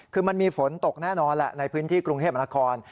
คือมันมีฝนตกแน่นอนแหละในพื้นที่กรุงเทพมนาคม